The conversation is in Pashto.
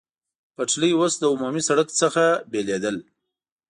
پټلۍ اوس له عمومي سړک څخه بېلېدل.